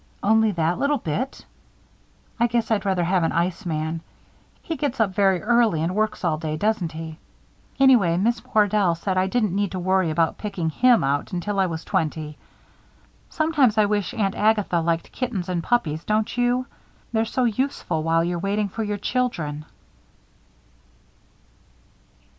"Only that little bit? I guess I'd rather have an iceman. He gets up very early and works all day, doesn't he? Anyway, Miss Wardell said I didn't need to worry about picking him out until I was twenty. Sometimes I wish Aunt Agatha liked kittens and puppies, don't you? They're so useful while you're waiting for your children."